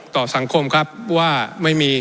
ต่อสังคมครับว่าไม่มี